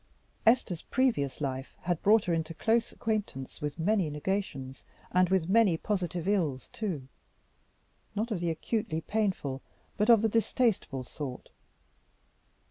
Esther's previous life had brought her into close acquaintance with many negations, and with many positive ills too, not of the acutely painful, but of the distasteful sort.